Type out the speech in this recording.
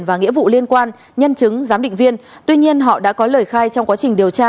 và nghĩa vụ liên quan nhân chứng giám định viên tuy nhiên họ đã có lời khai trong quá trình điều tra